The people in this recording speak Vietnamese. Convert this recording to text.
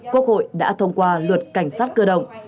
quốc hội đã thông qua luật cảnh sát cơ động